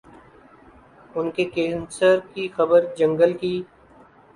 ان کے کینسر کی خبر جنگل کی